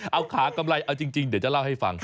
เอาขากำไรเอาจริงเดี๋ยวจะเล่าให้ฟัง